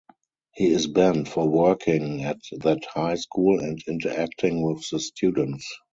He is banned for working at that high school and interacting with the students.